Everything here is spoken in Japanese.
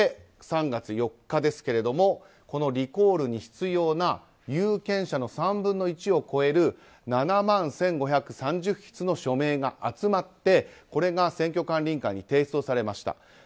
３月４日ですがこのリコールに必要な有権者の３分の１を超える７万１５３０筆の署名が集まって、これが選挙管理委員会に提出をされました。